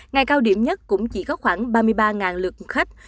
ngày cao điểm nhất cũng chỉ có khoảng ba mươi ba lượt khách